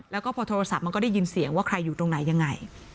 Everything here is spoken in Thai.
แล้วก็พอโทรศัพท์มันก็ได้ยินเสียงว่าใครอยู่ตรงไหนยังไง